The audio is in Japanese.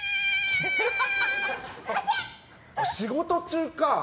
仕事中か。